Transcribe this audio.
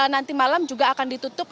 nanti malam juga akan ditutup